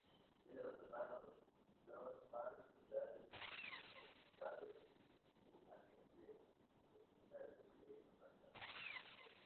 Tiene dos hermanos, John Mark y David Huckabee, un agente hipotecario de Arkansas.